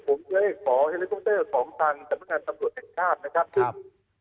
ผมเคยขอเฮเลโกเตอร์๒ตังค์สำรวจแข่งกล้ามนะครับ